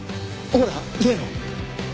ほら例の。